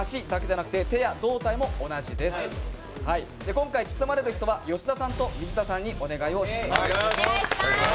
今回包まれる人は吉田さんと水田さんにお願いします。